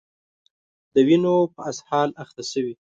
د وینو په اسهال اخته شوي